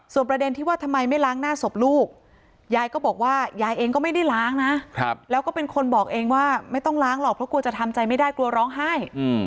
ประเด็นที่ว่าทำไมไม่ล้างหน้าศพลูกยายก็บอกว่ายายเองก็ไม่ได้ล้างนะแล้วก็เป็นคนบอกเองว่าไม่ต้องล้างหรอกเพราะกลัวจะทำใจไม่ได้กลัวร้องไห้